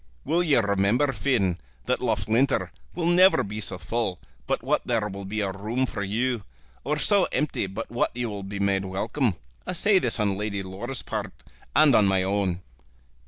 Will you remember, Finn, that Loughlinter will never be so full but what there will be a room for you, or so empty but what you will be made welcome? I say this on Lady Laura's part and on my own."